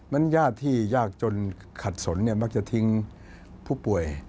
ญาติที่ยากจนขัดสนมักจะทิ้งผู้ป่วย